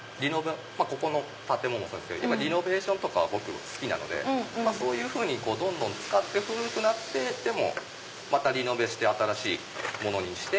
ここの建物もそうですけどリノベーションとか好きなのでそういうふうにどんどん使って古くなってってもまたリノベして新しいものにして。